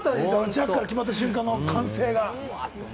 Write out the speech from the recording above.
ジャッカル決まった瞬間の歓声。